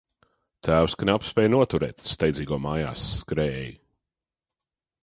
Tēvs knapi spēj noturēt steidzīgo mājās skrējēju.